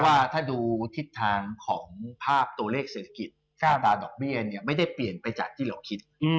ว่าถ้าดูทิศทางของภาพตัวเลขเศรษฐกิจอัตราดอกเบี้ยเนี่ยไม่ได้เปลี่ยนไปจากที่เราคิด